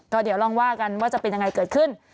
ก็เดี๋ยวลองว่ากันว่าจะเป็นยังไงเกิดขึ้น